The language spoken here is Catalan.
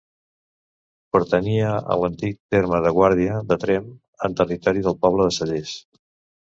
Pertanyia a l'antic terme de Guàrdia de Tremp, en territori del poble de Cellers.